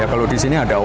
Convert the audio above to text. ya kalau di sini ada opor